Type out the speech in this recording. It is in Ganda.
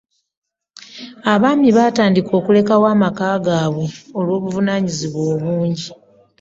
abaami baatandika okulekawo amaka gaabwe olwobuvunaanyizibwa obungi.